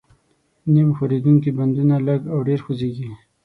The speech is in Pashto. نیم ښورېدونکي بندونه لږ او ډېر خوځېږي.